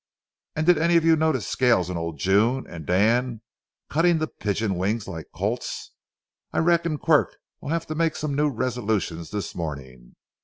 And did any of you notice Scales and old June and Dan cutting the pigeon wing like colts? I reckon Quirk will have to make some new resolutions this morning.